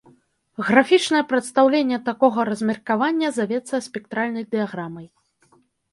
Графічнае прадстаўленне такога размеркавання завецца спектральнай дыяграмай.